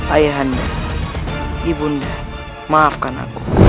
ayahanda ibunda maafkan aku